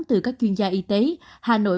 từ các chuyên gia y tế hà nội